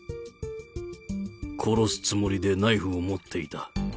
殺すつもりでナイフを持っていた。